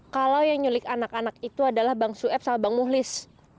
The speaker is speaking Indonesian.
kalau yang nyulik anak anak itu adalah bang sueb sama bang muhlis